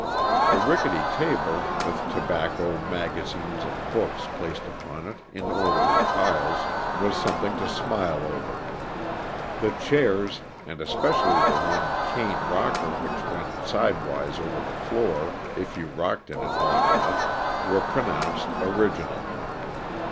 The rickety table, with tobacco, magazines, and books placed upon it in orderly piles, was something to smile over. The chairs, and especially the one cane rocker which went sidewise over the floor if you rocked in it long enough, were pronounced original.